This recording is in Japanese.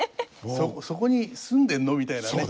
「そこに住んでるの？」みたいなね。